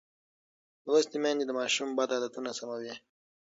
لوستې میندې د ماشوم بد عادتونه سموي.